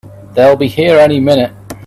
They'll be here any minute!